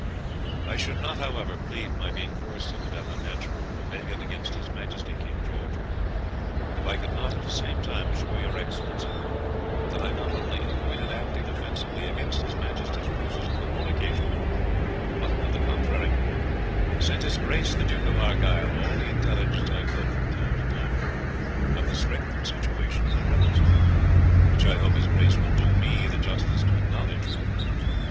I should not, however, plead my being forced into that unnatural rebellion against his Majesty, King George, if I could not at the same time assure your Excellency, that I not only avoided acting offensively against his Majesty's forces upon all occasions, but on the contrary, sent his Grace the Duke of Argyle all the intelligence I could from time to time, of the strength and situation of the rebels; which I hope his Grace will do me the justice to acknowledge.